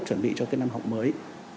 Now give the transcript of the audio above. chuẩn bị cho cái năm học mới